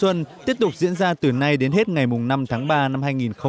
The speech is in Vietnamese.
tuần tiếp tục diễn ra từ nay đến hết ngày năm tháng ba năm hai nghìn một mươi tám